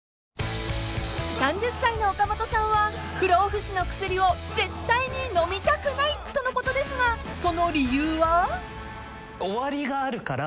［３０歳の岡本さんは不老不死の薬を絶対に飲みたくない！とのことですがその理由は？］